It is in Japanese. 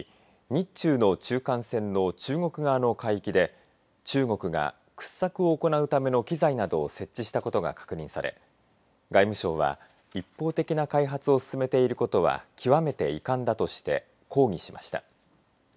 日中の中間線の中国側の海域で中国が掘削を行うための機材などを設置したことが確認され外務省は一方的な開発を進めていることは極めて遺憾だとして抗議しました。